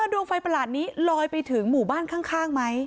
ดวงไฟประหลาดนี้ลอยไปถึงหมู่บ้านข้างไหม